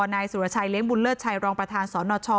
นายสุรชัยเลี้ยบุญเลิศชัยรองประธานสนช